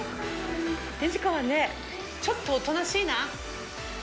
ニジカはね、ちょっとおとなしいな。